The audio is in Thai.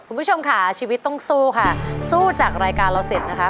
คุณผู้ชมค่ะชีวิตต้องสู้ค่ะสู้จากรายการเราเสร็จนะคะ